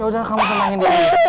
yaudah kamu tenangin dulu